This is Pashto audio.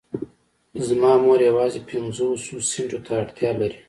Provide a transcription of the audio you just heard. زما مور يوازې پنځوسو سنټو ته اړتيا لري.